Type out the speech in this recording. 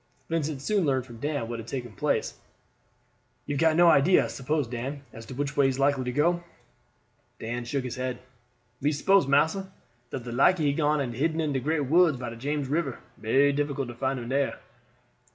Vincent soon learned from Dan what had taken place. "You have no idea, I suppose, Dan, as to which way he is likely to go?" Dan shook his head. "Me suppose, massa, dat most likely he gone and hidden in de great woods by de James River. Berry difficult to find him dere."